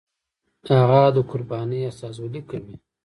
هغه د قربانۍ استازولي کوي.